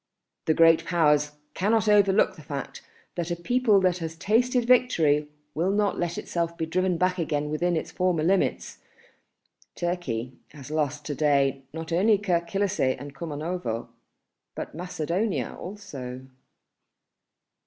The Great Powers cannot overlook the fact that a people that has tasted victory will not let itself be driven back again within its former limits. Turkey has lost to day not only Kirk Kilisseh and Kumanovo, but Macedonia also."